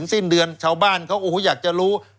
สิ้นเดือนชาวบ้านอยากจะรู้